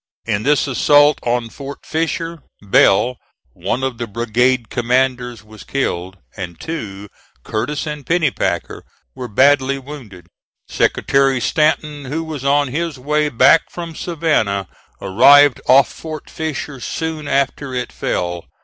In this assault on Fort Fisher, Bell, one of the brigade commanders, was killed, and two, Curtis and Pennypacker, were badly wounded. Secretary Stanton, who was on his way back from Savannah, arrived off Fort Fisher soon after it fell.